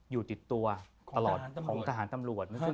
อยู่ติดตัวตลอดของทหารตำรวจ